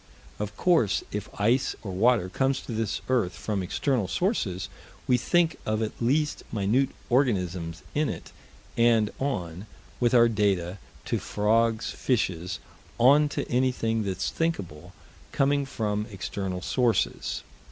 Of course, if ice or water comes to this earth from external sources, we think of at least minute organisms in it, and on, with our data, to frogs, fishes; on to anything that's thinkable, coming from external sources.